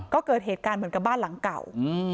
ก็เกิดเหตุการณ์เหมือนกับบ้านหลังเก่า